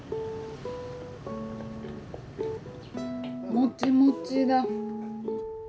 もちもちだ！